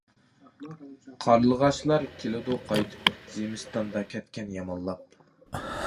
قارلىغاچلار كېلىدۇ قايتىپ، زىمىستاندا كەتكەن يامانلاپ.